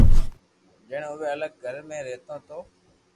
جڻي اووي الگ گھر ۾ رھتو تو